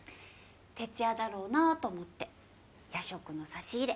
徹夜だろうなと思って夜食の差し入れ。